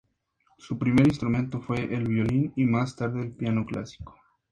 Su primer instrumento fue el violín y más tarde el piano clásico.